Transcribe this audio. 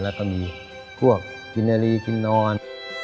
แล้วก็มีพวกกินนาลีกินนอน